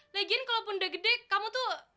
lagian kalaupun udah gede kamu tuh